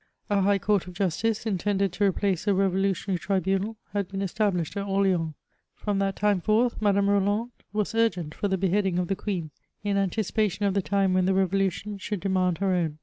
A high oourt of justice, intended to replace the revolutionary tribunal, had been established at Orieans. Frmn that time forth, Madame Remand was urgent for the beheading of the queen, in antidpaticHi of the time when the revolution should demand her own.